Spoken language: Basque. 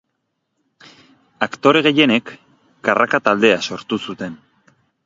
Aktore gehienek Karraka taldea sortu zuten.